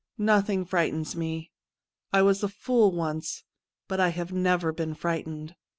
' Nothing frightens me. I was a fool once, but I have never been frightened.